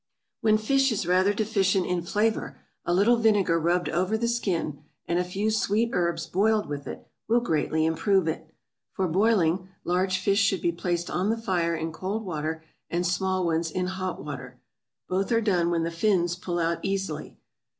When fish is rather deficient in flavor, a little vinegar rubbed over the skin; and a few sweet herbs boiled with it will greatly improve it. For boiling, large fish should be placed on the fire in cold water, and small ones in hot water; both are done when the fins pull out easily.